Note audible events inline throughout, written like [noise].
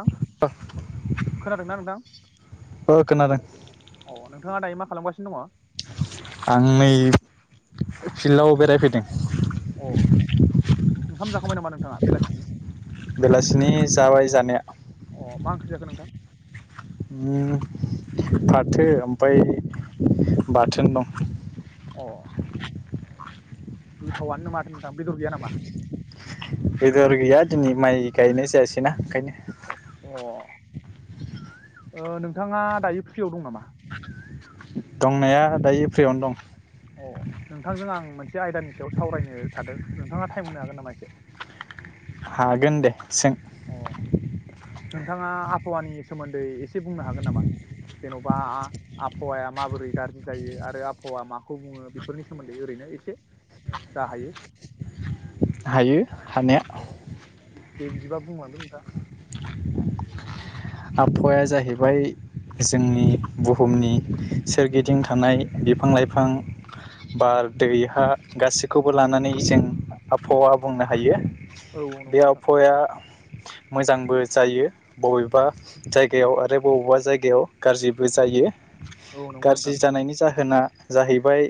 औ खोनादोंना नोंथां ओ खोनादों अ नोंथाङा दायो मा खालामगासिनो दङ? आं नै फिल्डआव बेरायफैदों। अ ओंखाम जाखांबाय नामा नोंथाङा बेलासिनि? बेलासिनि जाबाय जानाया अ मा ओंख्रि जाखो नोंथां? ओम फाथो ओमफ्राय बाथोन दं। अ गोथावनो माथो नोंथां बेदर गैया नामा? बेदर गैया दिनै माइ गायनाय जायासैना ओंखायनो अ ओ नोंथाङा दायो फ्रियाव दं नामा? दंनाया दायो फ्रिआवनो दं। अ नोंथांजों आं मोनसे आयदानि सायाव सावरायनो सान्दों नोंथाङा टाइम होनो हागोन नामा एसे? हागोन दे सों। अ नोंथाङा आबहावानि सोमोन्दै एसे बुंनो हागोन नामा जेन'बा आबहावाया माबोरै गाज्रि जायो आरो आबहावा माखौ बुङो बेफोरनि सोमोन्दै ओरैनो एसे जा हायो? हायो अ हानाया। दे बिदि बिदिबा बुंलांदो नोंथाङा। आबहावाया जाहैबाय जोंनि बुहुमनि सोरगिदिं थानाय बिफां-लाइफां, बार, दै, हा गासैखौबो लानानै जों आबहावा बुंनो हायो। औ औ नंगौ बे नोंथां आबहावाया मोजांबो जायो बबेबा जायगायाव आरो बबेबा जायगायाव गाज्रिबो जायो। औ नंगौ नोंथां गाज्रि जानायनि जाहो होना जाहैबाय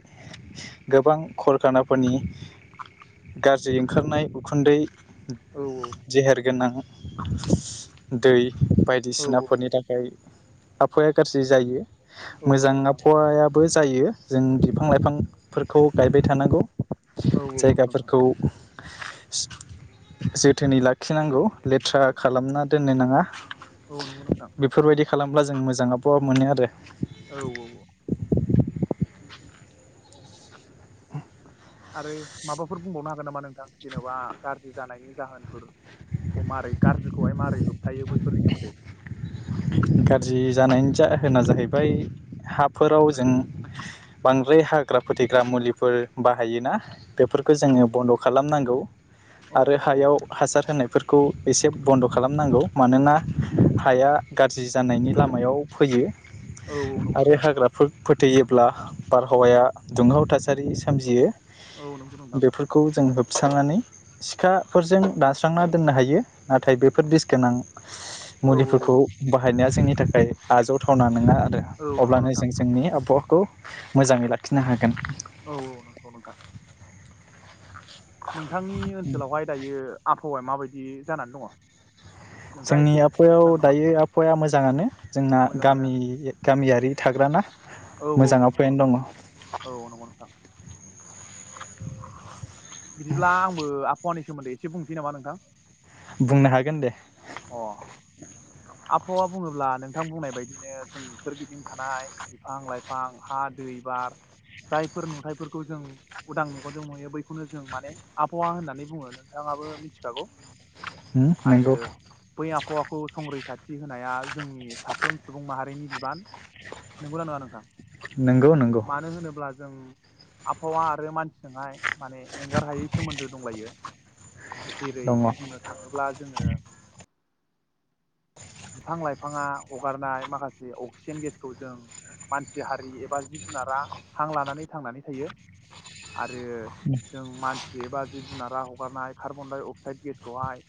गोबां खरखानाफोरनि गाज्रि ओंखारनाय उखुन्दै औ जेहेरगोनां दै औ बायदिसिनाफोरनि थाखाय आबफाया गाज्रि जायो। औ मोजां नंगौ नोंथां आबहावाया बो जायो जों बिफां लाइफांफोरखौ गायबाय थानांगौ। औ औ नंगौ नोंथां जायगाफोरखौ जोथोनै लाखिनांगौ लेथ्रा खालामना दोननो नाङा। औ नंगौ नोंथां बेफोरबायदि खालामब्ला जों मोजां आबहावा मोनो आरो। औ- औ -औ। आरो माबाफोर बुंबावनो हागोन नामा नोंथां? जेन'बा गाज्रि जानायनि जाहोनफोरखौ। मारै गाज्रिखौहाय मारै होबथायो बैफोरनि सोमोन्दै। गाज्रि जानायनि जाहोना जाहैबाय हाफोराव, जों बांद्राय हाग्रा फोथैग्रा मुलिफोर बाहायोना बेफोरखौ जोङो बन्द' खालामनांगौ। औ आरो औ औ हायाव हासार होनाय फोरखौ एसे बन्द' खालामनांगौ मानोना हाया गाज्रि जानायनि लामायाव फैयो। औ औ नंगौ आरो नोंथां हाग्राफोर फोथैयोब्ला बारहावाया दुंहाव थासारि सोमजियो। औ नंगौ नोंथां बेफोरखौ जों होब थिखांनानै सिखाफोरजों दानस्रांना दोननो हायो नाथाय बेफोर बिस गोनां औ मुलिफोरखौ औ बाहायनाया जोंनि थाखाय आजावथावना नङा। औ नंगौ अब्लानो नोंथां जों जोंनि आबहावा खौ मोजाङै लाखिनो हागोन। औ औ नंगौ नोंथां नोंथांनि ओनसोलावहाय दायो आबहावाया माबायदि। दि जानानै दङ। नोंथाङा जोंनि एसे आबहायाव खोन्थानो हागोन नामा दायो आबहावाया मोजाङानो, जोंना मोजाङानो गामि गामियारि थाग्राना औ औ मोजां नंगौ नोंथां आबहायानो दङ। औ नंगौ नोंथां बिदिब्ला आंबो आबहावानि सोमोन्दै एसे बुंनोसै नामा नोंथां? बुंनो हागोन दे। अ। आबहावा बुङोब्ला नोंथां बुंनाय बायदिनो जोंनि सोरगिदिं थानाय बिफां -लाइफां हा दै बार जायफोर नुथाइफोरखौ जों उदां मेगनजों नुयो बैखौनो जों माने आबहावा होननानै बुङो नोंथाङाबो मिथिखागौ। उम आरो नंगौ बै आबहावाखौ संरैत रैखाथि होनाया जोंनि साफ्रोम सुबुं माहारिनि बिबान नंगौना नोंङा नोंथां? नंगौ नंगौ मानो होनोब्ला जों आबहावा आरो मानसिजोंहाय माने एंगार हायै सोमोन्दो दंलायो। जेरै दङ बुंनो थाङोब्ला जोङो। बिफां लाइफ फाङा हगारनाय माखासे अक्सिजेन गेसखौ जों मानसि हारि एबा जिब जुनारा हां लानानै थांनानै थायो। आरो जों मानसि एबा जिब जुनारा हगारनाय। कार्बन डाइ अक्साइद गेसखौहाय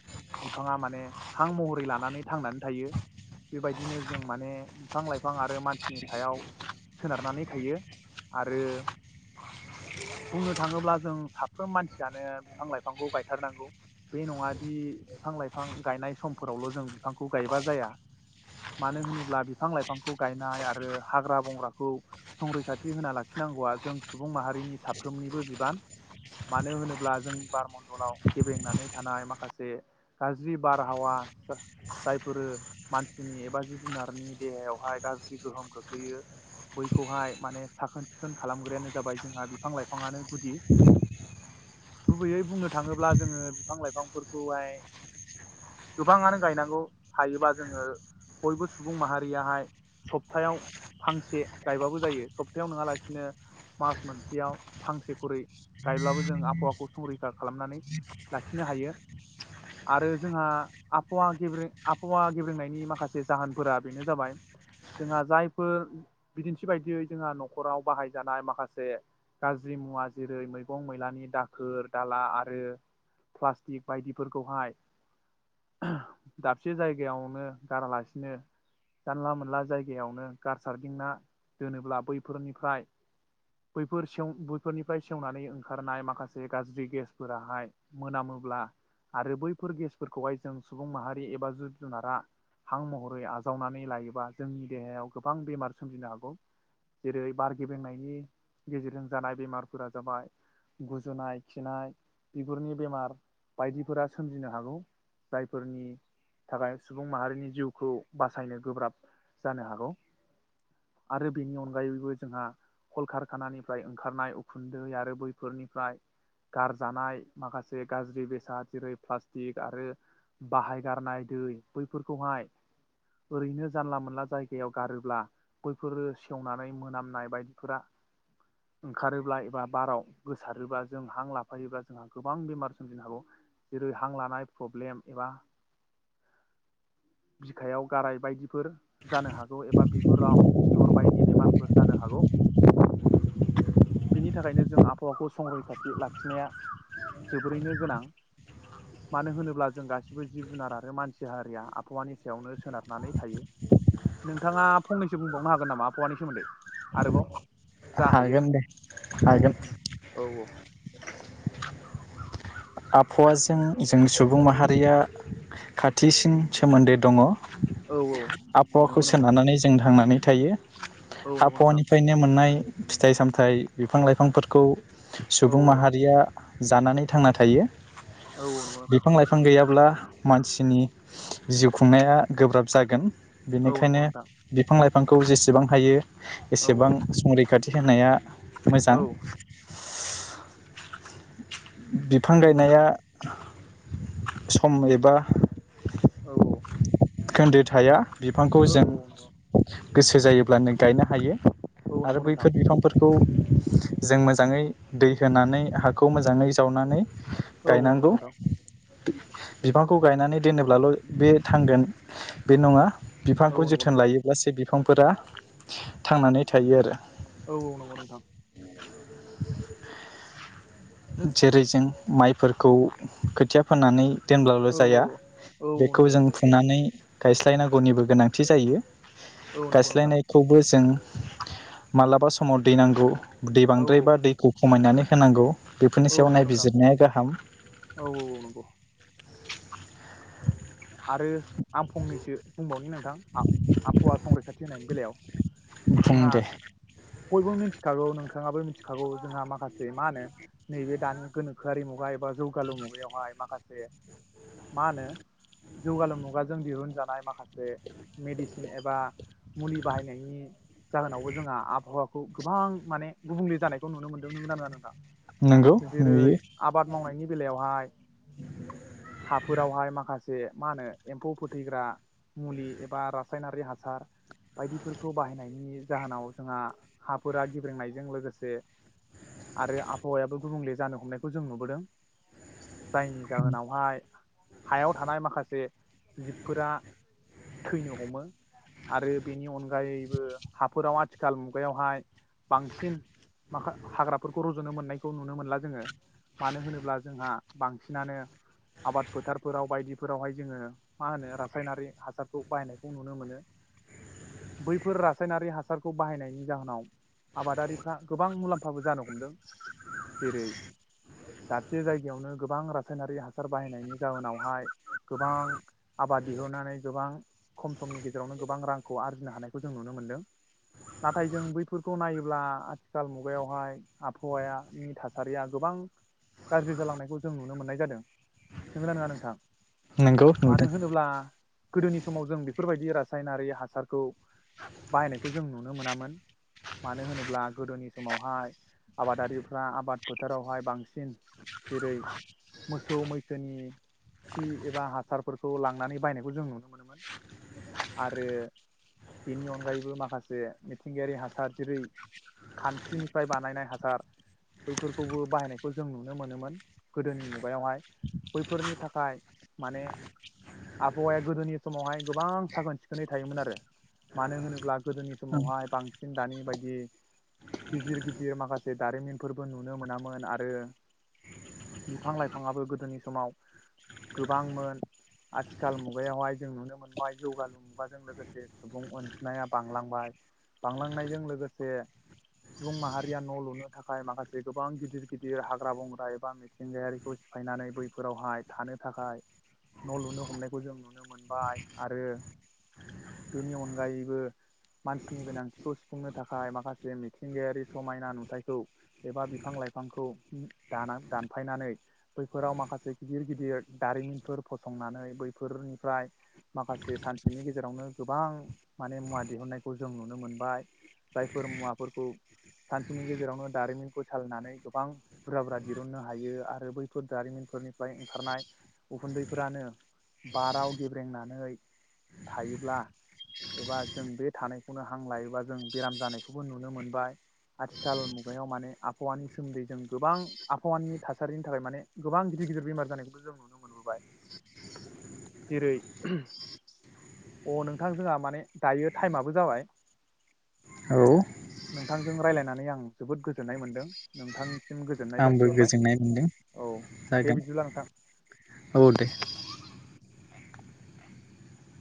बिफाङा माने हां महरै लानानै। थांनानै थायो। बेबायदिनो जों माने बिफां लाइफां आरो मानसिनि सायाव सोनारनानै थायो। आरो बुंनो थाङोब्ला जों साब साफ्रोम मानसियानो बिफां लाइफांखौ गायथारनांगौ। बे नङादि बिफां लाइफां गायनाय समफोरावल जों बिफांखौ गायबा जाया मानो होनोब्ला? बिफां लाइफांखौ गायनाय आरो हाग्रा बंग्राखौ संरैखाथि होना लाखिनांगौआ जों सुबुं माहारिनि साफ्रोमनिबो बिबान मानो होनोब्ला जोंनि बारमणडलाव गेबेंनानै थानाय माखासे गाज्रि बारहावा [inaudible] जायफोरो मानसिनि एबा जिब जुनारनि देहायावहाय गाज्रि गोहोम खोख्लैयो, बैखौहाय माने साखोन सिखोन खालामग्रायानो जाबाय जोंहा बिफां लाइफाङानो गुदि। गुबैयै बुंनो थाङोब्ला जोङो बिफां लाइफांफोरखौहाय गोबाङानो गायनांगौ। हायोबा जोङो बयबो सुबुं माहारियाहाय सप्तायाव फांसे गायबाबो जायो सप्तायाव नङालासिनो मास मोनसेयाव फांसे खरै गायब्लाबो जों आबहावाखौ संरैखा खालामनानै लाखिनो हायो आरो जोंहा आबहावा गेब्रे आबहावा गेब्रेनायनि माखासे जाहोनफोरा बेनो जाबाय जोंहा जायफोर बिदिन्थि बायदियै जोंहा नखराव बाहायजानाय माखासे गाज्रि मुवा जेरै मैगं मैलानि दाखोर दाला आरो प्लास्टिक बायदिफोरखौहाय दाबसे जायगायावनो गारालासिनो जानला मोनला जायगायावनो गारसारदिंना दोनोब्ला बैफोरनिफ्राय बैफोर सेव बैफोरनिफ्राय सेवनानै ओंखारनाय माखासे गाज्रि गेसफोराहाय मोनामोब्ला आरो बैफोर गेसफोरखौहाय जों सुबुं माहारि हारि एबा जिब जुनारा हां महरै आजावनानै लायोबा जोंनि देहायाव गोबां बेमार सोमजिनो हागौ जेरै बारगेबेंनायनि गेजेरजों जानाय बेमारफोरा जाबाय गुजुनाय खिनाय बिगुरनि बेमार बायदिफोरा सोमजिनो हागौ जायफोरनि थाखाय सुबुं माहारिनि जिउखौ बासायनो गोब्राब जानो हागौ आरो बेनि अनगायैबो जोंहा कलकारखानानिफ्राय ओंखारनाय उखुन्दै आरो बैफोरनिफ्राय गारजानाय माखासे गाज्रि बेसाद जेरै प्लास्टिक आरो बाहाय गारनाय दै बैफोरखौहाय ओरैनो जानला मोनला जायगायाव गारोब्ला बैफोरो सेवनानै मोनामनाय बायदिफोरा ओंखारोब्ला एबा बाराव गोसारोब्ला जों हां लाफायोबब्ला जोंहा गोबां बेमार सोमजिनो हागौ जेरै हां लानाय प्रब्लेम एबा बिखायाव गाराय बायदिफोर जानो हागौ एबा बिगुराव सिथर बायदि बेमारफोर जानो हागौ बेनि थाखायनो जों आबहावाखौ संरैखाथि लाखिनाया जोबोरैनो गोनां मानो होनोब्ला जों गासिबो जिब जुनार आरो मानसि हारिया आबहावानि सायावनो सोनारनानै थायो नोंथाङा फंनैसो बुंबावनो हागोन नामा आबहावानि सोमोन्दै आरोबाव जा हायो हागोनदे अ औ हागोन औ [unintelligible] आबहावाजों जों सुबुं माहारिया खाथिसिन सोमोन्दो दङ औ औ आबहावाखौ नंगौ नोंथां सोनारनानै जों थांनानै थायो औ नंगौ नोंथां आबहावानिफ्रायनो मोननाय फिथाइ सामथाइ बिफां लाइफांफोरखौ औ सुबुं माहारिया जानानै थांना थायो औ नंगौ नोंथां बिफां लाइफां गैयाब्ला मानसिनि जिउ खुंनाया गोब्राब जागोन औ नंगौ बेनिखायनो नोंथां बिफां लाइफ फांखौ जेसेबां हायो औ एसेबां औ संरै गाथि खानाया मोजां औ बे फां नंगौ गायनाया नोंथां सम एबा औ कोन्दो थाया। बिफांखौ औ जों नंगौ गोसो जायोब्लानो गायनो हायो। औ आरो नंगौ नोंथां बैफोर बिफांफोरखौ जों मोजाङै दै होनानै हाखौ मोजाङै जावनानै औ औ नंगौ गायनांगौ। नोंथां बिफांखौ गायनानै दोनोब्लाल बे थांगोन बे नङा। औ बिफांखौ नंगौ जोथोन नोंथां लायोब्लासो बिफांफोरा थांनानै थायो आरो। औ-औ नंगौ नोंथां। [inaudible] जेरै जों माइफोरखौ खोथिया फोनानै दोनब्लाल औ जाया औ बेखौ नंगौ जों नोंथां फुनानै गायस्लायनांगौनिबो गोनांथि जायो। औ नंगौ नोंथां गायस्लायनायखौबो जों मालाबा सम समाव दै नांगौ दै औ बांद्रायबा दैखौ खमायनानै होनांगौ। बेफोरनि औ सायाव नंगौ नोंथां नायबिजिरनाया गाहाम। औ औ औ नंगौ आरो आं फंनैसो बुंबावनि नोंथां आबहावा संरैखाथि होनायनि बेलायाव। बुं जोंहा दे। बयबो मिथिखागौ नोंथाङाबो मिथिखागौ जोंहा माखासे मा होनो नैबे दानि गोनोखोआरि मुगा एबा जौगालु मुगायावहाय माखासे मा होनो जौगालु मुगाजों दिहुनजानाय माखासे मेडिसिन एबा मुलि बाहायनायनि जाहोनावबो जोंहा आबहावाखौ गोबां माने गुबुंले जानायखौ नुनो मोनदों नंगौनां नङा नंगौ नोंथां। जेरै नुयो आबाद मावनायनि बेलायावहाय हाफोरावहाय माखासे से मा होनो एम्फौ फोथैग्रा मुलि एबा रासायनारि हासार बायदिफोरखौ बाहायनायनि जाहोनाव जोंहा हाफोरा गेब्रेंनायजों लोगोसे आरो आबहावायाबो गुबुंले जानो हमनायखौ जों नुबोदों। जायनि जाहोनावहाय हायाव थानाय माखासे जिबफोरा थैनो हमो आरो बेनि अनगायैबो हाफोराव आथिखाल मुगायावहाय बांसिन माख हाग्राफोरखौ रजनो मोननायखौ नुनो मोनला जोङो मानो होनोब्ला जोंहा बांसिनानो आबाद फोथारफोराव बायदिफोरावहाय जोङो मा होनो रासायनारि हासारखौ बाहायनायखौ नुनो मोनो बैफोर रासायनारि हासारखौ बाहायनायनि जाहोनाव आबादारिफ्रा गोबां मुलाम्फाबो जानो हमदों। जेरै दाबसे जायगायावनो गोबां रासायनारि हासार बाहायनायनि जाहोनावहाय गोबां आबाद दिहुननानै गोबां खम समनि गेजेरावनो गोबां रांखौ आरजिनो हानायखौ जों नुनो मोनदों। नाथाय जों बैफोरखौ नायोब्ला आथिखाल मुगायावहाय आबहावानि थासारिया गोबां गाज्रि जालांनायखौ जों नुनो मोननाय जादों नंगोना नङा नोंथां? नंगौ मानो नुदों होनोब्ला गोदोनि समाव जों बेफोरबायदि रासायनारि हासारखौ बाहायनायखौ जों नुनो मोनामोन मानो होनोब्ला गोदोनि समावहाय आबादारिफ्रा आबाद फोथारावहाय बांसिन जेरै मोसौ मैसोनि खि एबा हासारफोरखौ लांनानै बायनायखौ जों नुनो मोनोमोन आरो बेनि अनगायैबो माखासे मिथिंगायारि हासार जेरै खान्ट्रिनिफ्राय बानायनाय हासार बैफोरखौबो बाहायनायखौ जों नुनो मोनोमोन गोदोनि मुगायावहाय बैफोरनि थाखाय माने आबहावाया गोदोनि समावहाय गोबां साखोन सिखोनै थायोमोन आरो मानो होनोब्ला गोदोनि औ समावहाय बांसिन दानि बायदि गिदिर-गिदिर माखासे दारिमिनफोरबो नुनो मोनामोन आरो बिफां लाइफाङआो गोदोनि समाव गोबांमोन आथिखाल मुगायावहाय जों नुनो मोनबाय जौगालु मुगाजों लोगोसे सुबुं अनजिमा बांलांबाय बांलांनायजों लोगोसे सुबुं माहारिया न लुनो थाखाय माखासे गोबां गिदिर-गिदिर हाग्रा बंग्रा एबा मिथिंगायारिखौ सिफायनानै बैफोरावहाय थानो थाखाय न' लुनो हमनायखौ जों नुनो मोनबाय आरो बेनि अनगायैबो मानसिनि गोनांथिखौ सुफुंनो थाखाय माखासे मिथिंगायारि समायना नुथायखौ एबा बिफां लाइफांखौ दान दानफायनानै बैफोराव माखासे गिदिर गिदिर दारिमिनफोर फसंनानै बैफोरनिफ्राय माखासे सानसेनि गेजेरावनो गोबां माने मुवा दिहुननायखौ जों नुनो मोनबाय जायफोर मुवाफोरखौ सानसेनि गेजेरावनो दारिमिनखौ सालियनानै गोबां बुरजा बुरजा दिहुननो हायो आरो बैफोर दारिमिनफोरनि ओंखारनाय उखुन्दैफोरानो बाराव गेब्रेंनानै थायोब्ला एबा जों बे थानायखौनो हां लायोबा जों बेराम जानायखौबो नुनो मोनबाय आथिखाल मुगायाव माने आबहावानि सोमोन्दै जों गोबां आबहावानि थासारिनि थाखाय माने गोबां गिदिर गिदिर गिदिर बेमार जानायखौथ' जों नुनो मोनबोबाय जेरै अ नोंथांजोंहा माने दायो टाइमाबो जाबाय नोंथांजों रायलायनानै आं जोबोद गोजोननाय मोनदों नोंथां। आंबो गोजोननाय मोनदों दे बिदिब्ला नोंथां जादों औ दे‌।